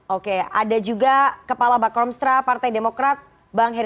oke ada juga kepala bak kromstra partai demokrat bang herzl